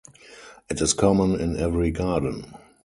It is common in every garden.